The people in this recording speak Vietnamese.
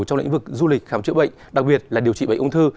trong lĩnh vực du lịch khám chữa bệnh đặc biệt là điều trị bệnh ung thư